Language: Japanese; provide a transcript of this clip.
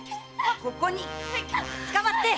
ここにつかまって！